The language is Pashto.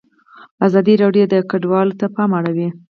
ازادي راډیو د کډوال ته پام اړولی.